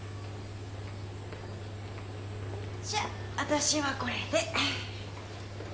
じゃあ私はこれで。